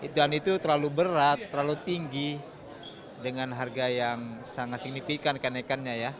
dan itu terlalu berat terlalu tinggi dengan harga yang sangat signifikan kenaikannya ya